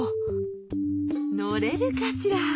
乗れるかしら？